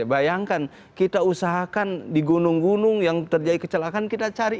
bayangkan kita usahakan di gunung gunung yang terjadi kecelakaan kita cari